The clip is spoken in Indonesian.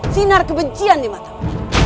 sinar kebencian di matamu